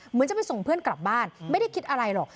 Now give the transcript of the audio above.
เหมือนจะไปส่งเพื่อนกลับบ้านไม่ได้คิดอะไรหรอก